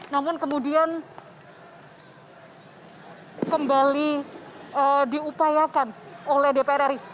namun kemudian kembali diupayakan oleh dpr ri